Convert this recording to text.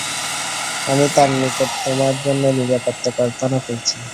আমি তার নিকট তোমার জন্য নিরাপত্তা প্রার্থনা করেছি।